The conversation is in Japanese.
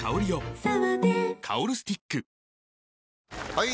・はい！